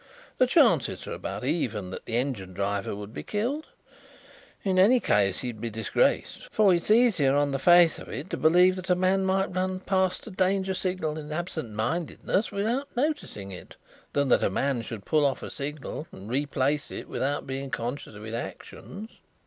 The chances are about even that the engine driver would be killed. In any case he would be disgraced, for it is easier on the face of it to believe that a man might run past a danger signal in absentmindedness, without noticing it, than that a man should pull off a signal and replace it without being conscious of his actions."